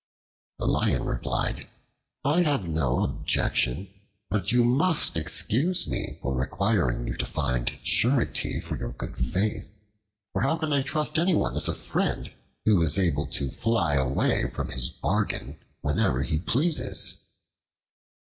The Lion replied, "I have no objection, but you must excuse me for requiring you to find surety for your good faith, for how can I trust anyone as a friend who is able to fly away from his bargain whenever he pleases?"